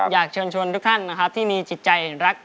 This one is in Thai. อยากเชิญชวนทุกท่านนะครับที่มีจิตใจรัก